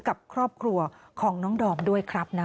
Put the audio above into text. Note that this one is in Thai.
กับครอบครัวของน้องดอมด้วยครับนะ